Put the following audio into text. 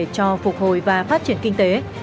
cho phục hồi và phát triển kinh tế